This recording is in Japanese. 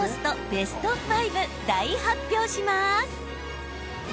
ベスト５、大発表します。